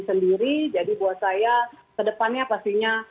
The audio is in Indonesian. sendiri jadi buat saya kedepannya pastinya